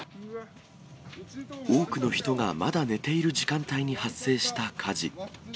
多くの人がまだ寝ている時間帯に発生した火事。